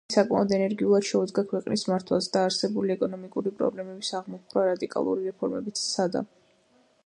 იგი საკმაოდ ენერგიულად შეუდგა ქვეყნის მართვას და არსებული ეკონომიკური პრობლემების აღმოფხვრა რადიკალური რეფორმებით სცადა.